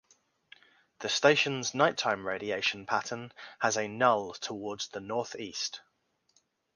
The station's nighttime radiation pattern has a null toward the northeast.